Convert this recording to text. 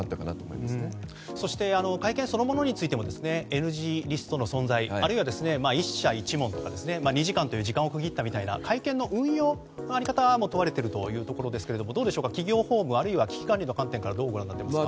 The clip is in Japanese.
会見そのものについてもＮＧリストの問題あるいは、１社１問とか２時間という時間を区切ったという会見の運用の在り方も問われているというところですが企業法務、危機管理の観点からどうご覧になりますか。